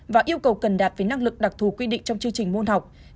và yêu cầu cần đạt về năng lực đặc thù quy định trong chương trình môn học